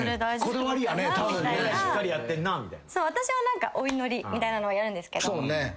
私はお祈りみたいなのはやるんですけど。